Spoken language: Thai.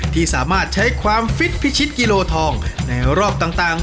ที่สามารถใช้ความฟิตพิชิตกิโลทองในรอบต่าง